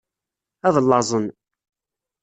Ad llaẓen.